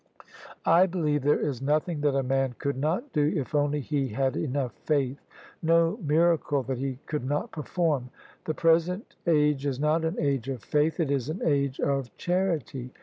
I believe there is nothing that a man could not do if only he had enough faith — ^no miracle that he could not perform. The present age is not an age of faith: it is an age of charity.